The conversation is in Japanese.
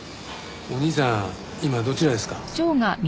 お兄さん今どちらですか？